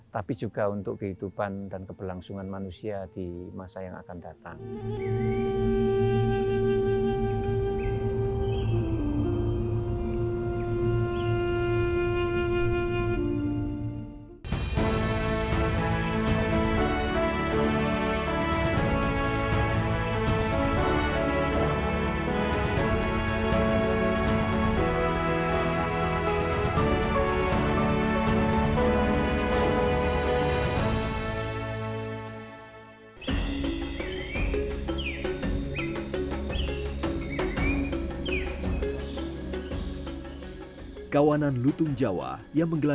tapi juga untuk kehidupan dan keberlangsungan manusia di masa yang akan datang